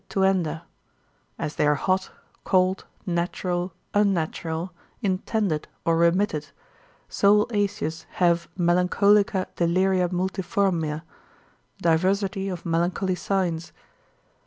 tuenda: as they are hot, cold, natural, unnatural, intended, or remitted, so will Aetius have melancholica deliria multiformia, diversity of melancholy signs.